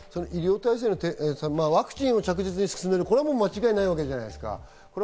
ワクチンを着実に進める、これは間違いないわけじゃないですか。